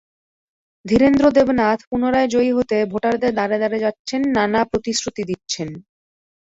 ধীরেন্দ্র দেবনাথ পুনরায় জয়ী হতে ভোটারদের দ্বারে দ্বারে যাচ্ছেন, নানা প্রতিশ্রুতি দিচ্ছেন।